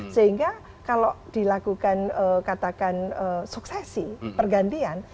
sehingga kalau dilakukan katakan suksesi pergantian